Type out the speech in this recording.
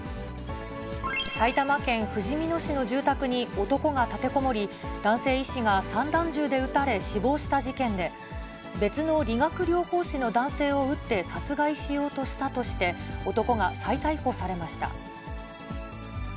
埼玉県ふじみ野市の住宅に男が立てこもり、男性医師が散弾銃で撃たれ死亡した事件で、別の理学療法士の男性を撃って殺害しようとしたとして、男が再逮捕されました。